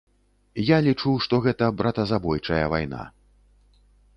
Я лічу, што гэта братазабойчая вайна.